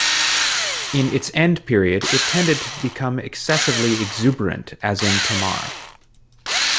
In its end period it tended to become excessively exuberant as in Tomar.